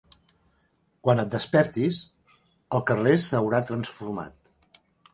Quan et despertis, el carrer s'haurà transformat.